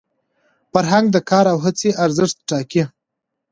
فرهنګ د کار او هڅي ارزښت ټاکي.